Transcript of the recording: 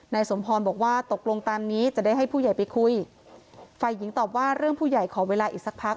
สมพรบอกว่าตกลงตามนี้จะได้ให้ผู้ใหญ่ไปคุยฝ่ายหญิงตอบว่าเรื่องผู้ใหญ่ขอเวลาอีกสักพัก